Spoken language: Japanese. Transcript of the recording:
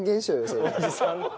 それ。